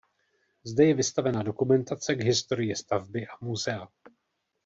Zde je vystavena dokumentace k historii stavby a muzea.